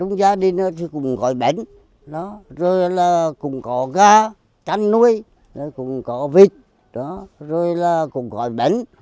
rồi là cũng có gà chăn nuôi cũng có vịt rồi là cũng có bánh